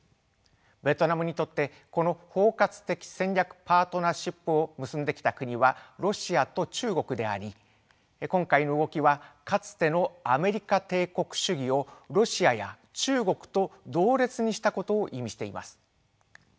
ベトナムにとってこの包括的戦略パートナーシップを結んできた国はロシアと中国であり今回の動きはかつてのアメリカ帝国主義をロシアや中国と同列にしたことを意味しています。